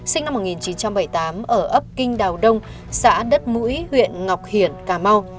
sinh năm một nghìn chín trăm bảy mươi tám ở ấp kinh đào đông xã đất mũi huyện ngọc hiển cà mau